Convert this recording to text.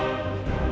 rasanya k backlash